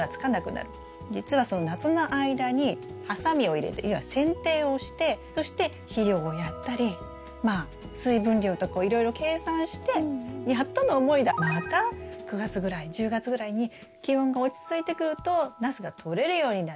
じつはその夏の間にハサミを入れて要は剪定をしてそして肥料をやったりまあ水分量とかをいろいろ計算してやっとの思いでまた９月ぐらい１０月ぐらいに気温が落ち着いてくるとナスがとれるようになる。